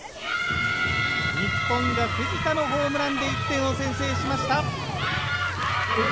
日本が藤田のホームランで１点を先制しました。